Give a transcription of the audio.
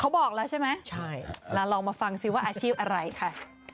บอกแล้วใช่ไหมใช่แล้วลองมาฟังซิว่าอาชีพอะไรค่ะ